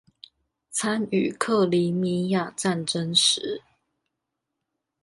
參與克里米亞戰爭時